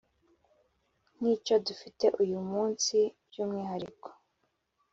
nk’icyo dufite uyu munsi by’umwihariko